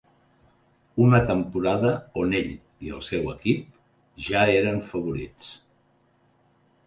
Una temporada on ell i el seu equip, ja eren favorits.